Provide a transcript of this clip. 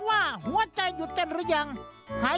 เกิดไม่ทันอ่ะ